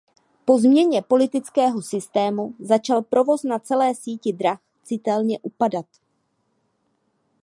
Po změně politického systému začal provoz na celé síti drah citelně upadat.